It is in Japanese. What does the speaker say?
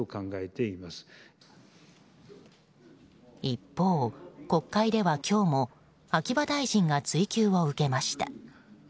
一方、国会では今日も秋葉大臣が追及を受けました。